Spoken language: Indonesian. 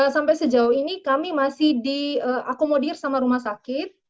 sampai sejauh ini kami masih diakomodir sama rumah sakit